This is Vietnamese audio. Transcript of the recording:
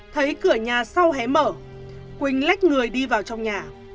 thấy cửa nhà sau hé mở quỳnh lách người đi vào trong nhà